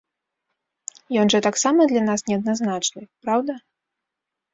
Ён жа таксама для нас неадназначны, праўда?